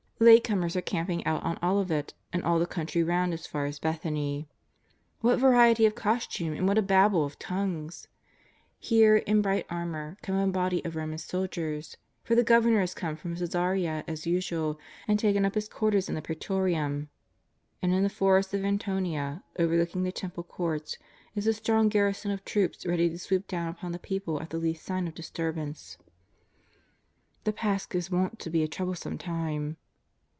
Late comers are camping out on Olivet and all the country round as far as Bethany. What variety of costume, and what a Babel of tongues ! Here, in bright armour, come a body of Ro man soldiers, for the Governor has come from Csesarea as usual and taken up his quarters in the PraDtorium. And in the fortress of Antonia, overlooking the Temple Courts, is a strong garrison of troops ready to swoop down upon the people at the least sign of disturbance, the Pasch is wont to be a troublesome time.